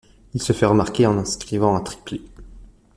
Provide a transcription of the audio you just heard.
Il se fait remarquer en inscrivant un triplé.